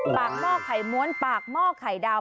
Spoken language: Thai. หม้อไข่ม้วนปากหม้อไข่ดาว